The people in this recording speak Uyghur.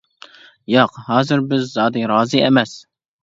ياق، ھازىر بىز زادى رازى ئەمەس.